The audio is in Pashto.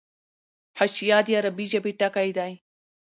حاشیه د عربي ژبي ټکی دﺉ.